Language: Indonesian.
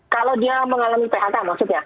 kalau dia mengalami phk maksudnya